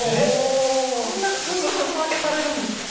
こんな区分わけされるんですか。